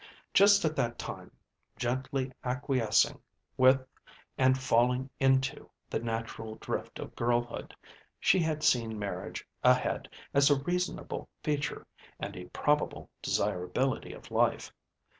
Just at that time, gently acquiescing with and falling into the natural drift of girlhood, she had seen marriage ahead as a reasonable feature and a probable desirability of life.